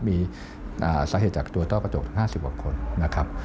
มีสาเหตุจากตัวต้อกระจก๕๐กว่าคนนะครับ